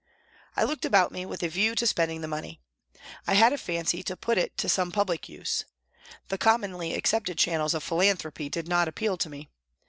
I looked about me with a view to spending the money. I had a fancy to put it to some public use. The commonly accepted channels of philanthropy did not appeal to me.